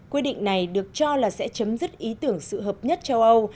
quy định này được cho là sẽ chấm dứt ý tưởng sự hợp nhất châu âu